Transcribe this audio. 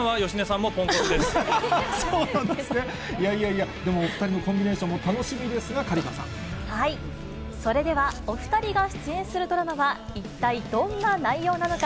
いやいやいや、でもお２人のコンビネーションも楽しみですが、それではお２人が出演するドラマは一体どんな内容なのか。